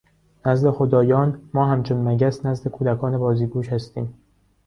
نزد خدایان ما همچون مگس نزد کودکان بازیگوش هستیم.